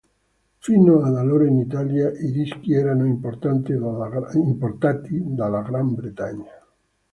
Fino ad allora, in Italia, i dischi erano importati dalla Gran Bretagna.